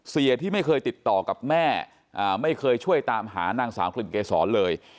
เสียที่ไม่เคยติดต่อกับแม่ไม่เคยช่วยตามหานางสาวกลิ่นเกษรเลย